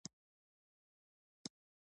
د زيربناوو، کارموندنې او خصوصي سکتور